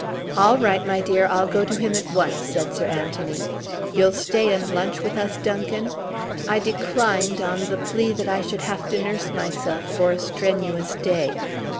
"All right, my dear. I'll go to him at once," said Sir Anthony. "You'll stay and lunch with us, Duncan?" I declined on the plea that I should have to nurse myself for a strenuous day.